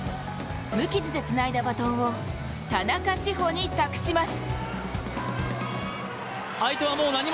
無傷でつないだバトンを田中志歩に託します。